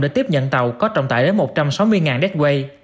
để tiếp nhận tàu có trọng tải đến một trăm sáu mươi đết quay